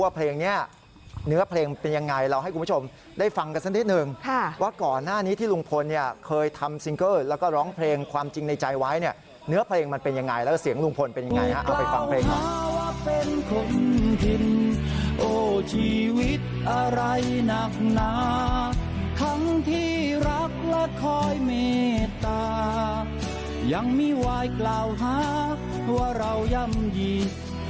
ฟังเพลงที่ลุงพลเสียงดังออกมาไปฟังเพลงที่ลุงพลเสียงดังออกมาไปฟังเพลงที่ลุงพลเสียงดังออกมาไปฟังเพลงที่ลุงพลเสียงดังออกมาไปฟังเพลงที่ลุงพลเสียงดังออกมาไปฟังเพลงที่ลุงพลเสียงดังออกมาไปฟังเพลงที่ลุงพลเสียงดังออกมาไปฟังเพลงที่ลุงพลเสียงดังออกมาไปฟังเพลงที่ลุงพ